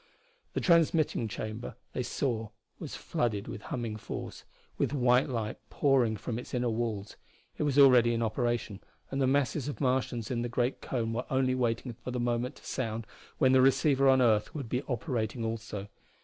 The transmitting chamber, they saw, was flooded with humming force, with white light pouring from its inner walls. It was already in operation, and the masses of Martians in the great cone were only waiting for the moment to sound when the receiver on earth would be operating also.